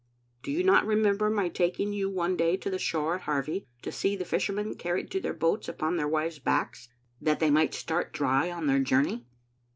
Do you not remember my taking you one day to the shore at Har vie to see the fishermen carried to their boats upon their wives' backs, that they might start dry on their journey?"